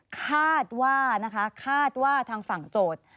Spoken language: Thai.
คาดว่านะคะคาดว่าทางฝั่งโจทย์